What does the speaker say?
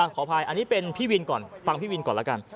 ขออภัยอันนี้เป็นพี่วินก่อนฟังพี่วินก่อนแล้วกัน